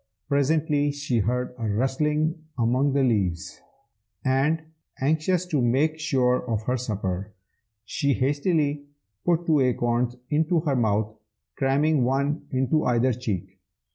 Presently she heard a rustling among the leaves, and, anxious to make sure of her supper, she hastily put two acorns into her mouth, cramming one into either cheek.